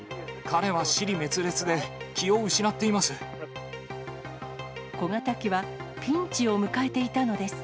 彼は支離滅裂で、気を失っています。